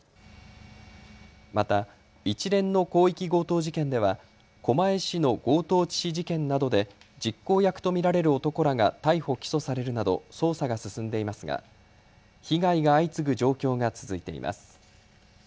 また、一連の広域強盗事件では狛江市の強盗致死事件などで実行役と見られる男らが逮捕・起訴されるなど捜査が進んでいますが被害が相次ぐ状況が続いています。